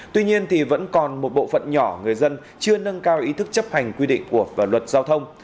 tuy nhiên vẫn còn một bộ phận nhỏ người dân chưa nâng cao ý thức chấp hành quy định của luật giao thông